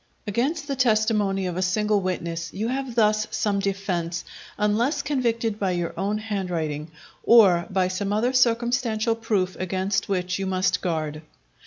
Against the testimony of a single witness, you have thus some defence, unless convicted by your own handwriting, or by other circumstantial proof against which you must guard.